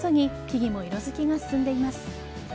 木々も色づきが進んでいます。